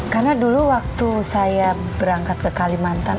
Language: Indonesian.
karena dulu waktu saya berangkat ke kalimantan